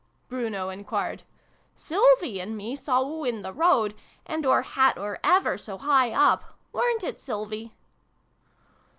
Bruno enquired. " Sylvie and me saw oo in the road, and oor hat were ever so high up ! Weren't it, Sylvie